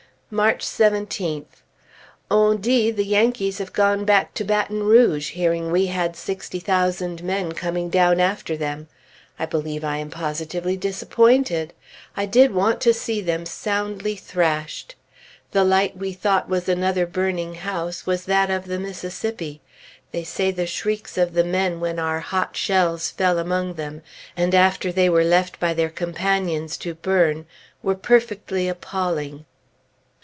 March 17th. On dit the Yankees have gone back to Baton Rouge, hearing we had sixty thousand men coming down after them. I believe I am positively disappointed! I did want to see them soundly thrashed! The light we thought was another burning house was that of the Mississippi. They say the shrieks of the men when our hot shells fell among them, and after they were left by their companions to burn, were perfectly appalling.